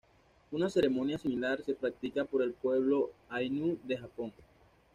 Una ceremonia similar se practica por el pueblo Ainu de Japón.